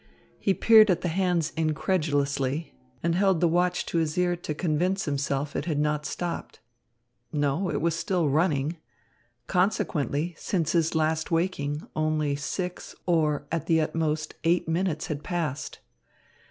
He peered at the hands incredulously and held the watch to his ear to convince himself it had not stopped. No, it was still running. Consequently, since his last waking, only six or, at the utmost, eight minutes had passed.